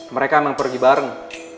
mereka emang pergi bareng